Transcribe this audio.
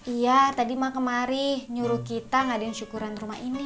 iya tadi emak kemari nyuruh kita nggak diinsyukurin rumah ini